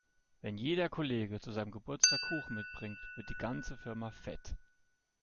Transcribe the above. Wenn jeder Kollege zu seinem Geburtstag Kuchen mitbringt, wird die ganze Firma fett.